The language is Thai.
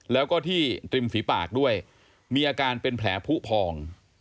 แล้วก็ที่ริมฝีปากด้วยมีอาการเป็นแผลผู้พอง